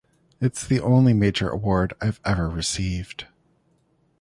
It's the only major award I've ever received.